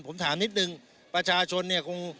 ผมถามนิดนึงประชาชนเนี่ยคง